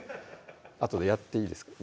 あとでやっていいですか？